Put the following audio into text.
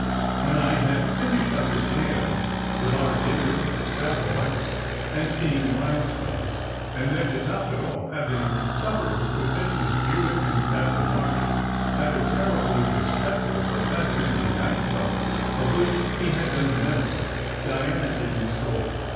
When I had finished up the tale with our dinner at the Savoy, and seeing "Milestones," and then on top of all, having supper with Mrs. Jewitt and Captain March at a terribly respectable but fascinating night club of which he had been made a member, Diana didn t scold.